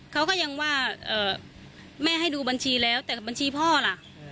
เขาก็ยังว่าแม่ให้ดูบัญชีแล้วแต่บัญชีพ่อล่ะ